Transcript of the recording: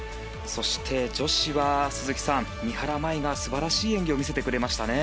そして、女子は鈴木さん、三原舞依が素晴らしい演技を見せてくれましたね。